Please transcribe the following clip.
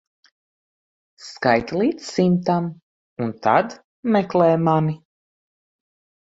Skaiti līdz simtam un tad meklē mani.